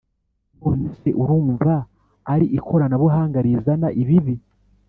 none se urumva ari ikoranabuhanga rizana ibibi’